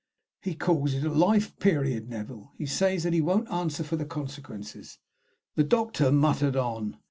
"He calls it 'a life period,' Neville. He says that he won't answer for the consequences." The doctor muttered on.